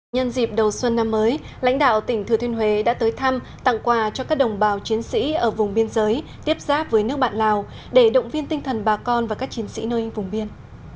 nhân dịp đầu xuân năm mới lãnh đạo tỉnh thừa thiên huế đã tới thăm tặng quà cho các đồng bào chiến sĩ ở vùng biên giới tiếp giáp với nước bạn lào để động viên tinh thần bà con và các chiến sĩ nơi vùng biên